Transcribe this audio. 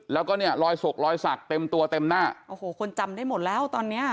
แล้วก็รอยสกรอยสักเต็มตัวเต็มหน้าคนจำได้หมดแล้วตอนนี้